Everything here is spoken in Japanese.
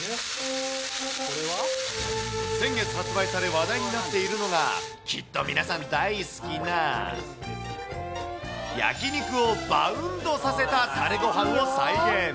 先月発売され、話題になっているのが、きっと皆さん、大好きな、焼き肉をバウンドさせたたれごはんを再現。